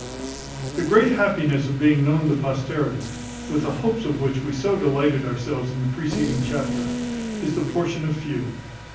The great happiness of being known to posterity, with the hopes of which we so delighted ourselves in the preceding chapter, is the portion of few.